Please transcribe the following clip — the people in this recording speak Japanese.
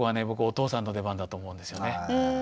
僕お父さんの出番だと思うんですよね。